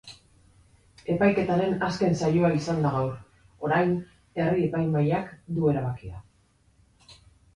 Epaiketaren azken saioa izan da gaur, orain herri-epaimahaiak du erabakia.